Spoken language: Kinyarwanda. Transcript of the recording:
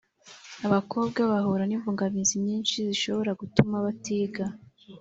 Abakobwa bahura n’imbogamizi nyinshi zishobora gutuma batiga.